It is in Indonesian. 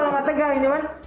gue gak tegang